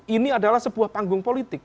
ini adalah sebuah panggung politik